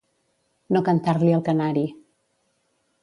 No cantar-li el canari.